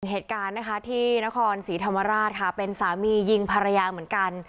เหตุการณ์นะคะที่นครศรีธรรมราชค่ะเป็นสามียิงภรรยาเหมือนกัน